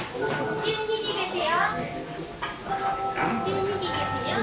１２時ですよ。